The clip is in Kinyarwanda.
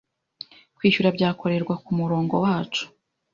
Kwishyura byakorerwa ku murongo wacu